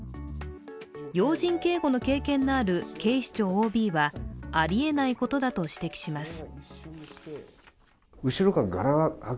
要人警護の経験のある警視庁ＯＢはありえないことだと指摘します。